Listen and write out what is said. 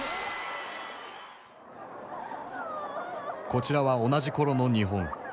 こちらは同じ頃の日本。